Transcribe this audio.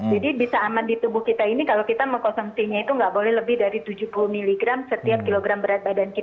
jadi bisa aman di tubuh kita ini kalau kita mengkonsumsinya itu enggak boleh lebih dari tujuh puluh miligram setiap kilogram berat badan kita gitu